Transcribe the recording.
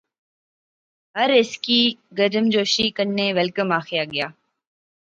ہر ہیس کی گرمجوشی کنے ویل کم آخیا گیا